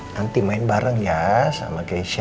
nanti main bareng ya sama keisha